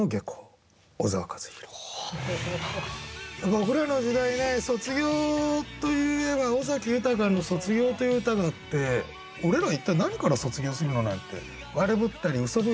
僕らの時代ね卒業といえば尾崎豊の「卒業」という歌があって「俺ら一体何から卒業するの？」なんて悪ぶったりうそぶいたりしてる。